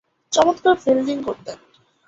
চমৎকার ফিল্ডিং করতেন।